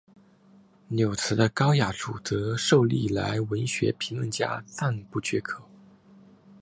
柳词的高雅处则受历来文学评论家赞不绝口。